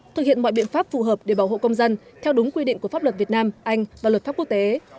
thực hiện mọi biện pháp phù hợp để bảo hộ công dân theo đúng quy định của pháp luật việt nam anh và luật pháp quốc tế